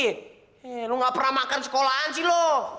eh lu gak pernah makan sekolahan sih lu